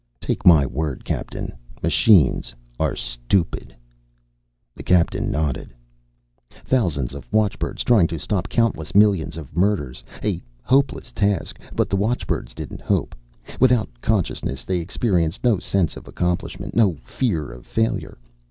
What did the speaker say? "Take my word, Captain. Machines are stupid." The captain nodded. Thousands of watchbirds, trying to stop countless millions of murders a hopeless task. But the watchbirds didn't hope. Without consciousness, they experienced no sense of accomplishment, no fear of failure.